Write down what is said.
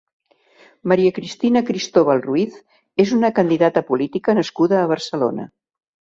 Maria Cristina Cristóbal Ruiz és una candidata política nascuda a Barcelona.